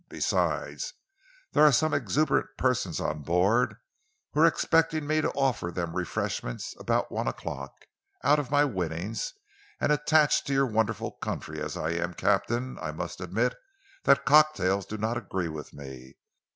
Besides, there are some exuberant persons on board who are expecting me to offer them refreshment about one o'clock, out of my winnings, and, attached to your wonderful country as I am, Captain, I must admit that cocktails do not agree with me."